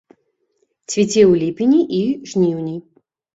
Цвіце ў ліпені і жніўні.